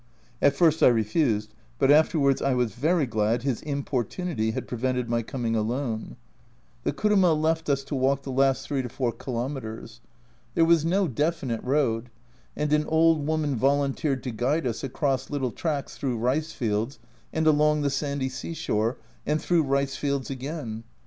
At first I refused, but afterwards I was very glad his importunity had prevented my coming alone. The kuruma left us 48 A Journal from Japan to walk the last 3 4 kilometres. There was no definite road, and an old woman volunteered to guide us across little tracks through rice fields and along the sandy seashore, and through rice fields again.